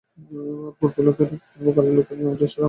আর পূর্বকালে লোকের নাম-যশের আকাঙ্ক্ষা খুব অল্পই ছিল।